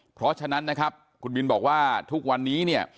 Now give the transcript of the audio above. เพราะฉะนั้นนะครับคุณบินบอกว่าทุกวันนี้เนี่ย